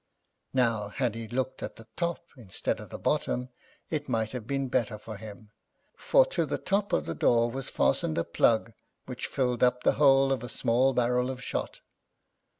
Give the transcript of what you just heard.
Now had he looked at the top instead of the bottom, it might have been better for him, for to[Pg 41] the top of the door was fastened a plug which filled up the hole of a small barrel of shot.